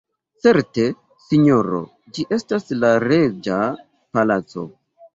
Certe sinjoro, ĝi estas la reĝa palaco.